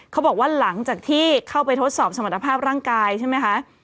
เขาบอกว่าหลังจากที่เข้าไปทดสอบสมรรถภาพร่างกายใช่ไหมคะ